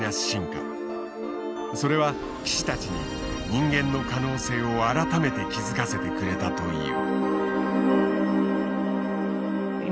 それは棋士たちに人間の可能性を改めて気付かせてくれたという。